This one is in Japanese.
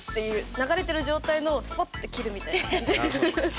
流れてる状態のをスパって切るみたいな感じ。